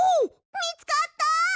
みつかった！？